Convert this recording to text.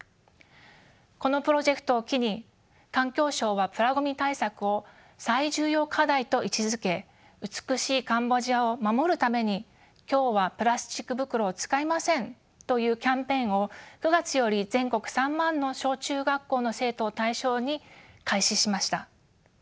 このプロジェクトを機に環境省はプラごみ対策を最重要課題と位置づけ美しいカンボジアを守るために「今日はプラスチック袋を使いません！」というキャンペーンを９月より全国３万の小中学校の生徒を対象に開始しました。